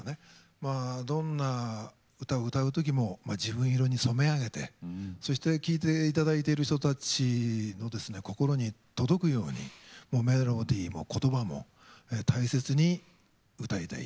まあどんな歌を歌う時も自分色に染め上げてそして聴いて頂いている人たちの心に届くようにもうメロディーも言葉も大切に歌いたい。